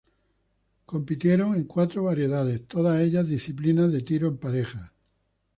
Ellos compitieron en cuatro eventos, todos ellos disciplinas de tiro en parejas.